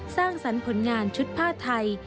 สร้างสรรค์ผลงานชุดผ้าไทย